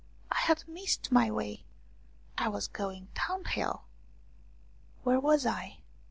I had missed my way I was going downhill ! Where was I